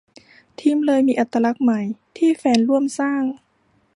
ทีมเลยมีอัตลักษณ์ใหม่ ที่แฟนร่วมสร้าง